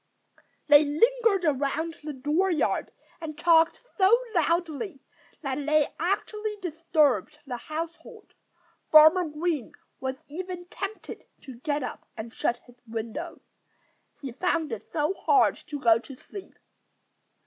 They lingered around the dooryard and talked so loudly that they actually disturbed the household. Farmer Green was even tempted to get up and shut his window, he found it so hard to go to sleep.